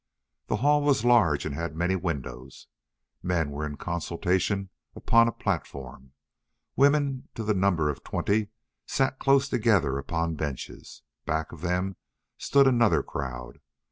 The hall was large and had many windows. Men were in consultation upon a platform. Women to the number of twenty sat close together upon benches. Back of them stood another crowd.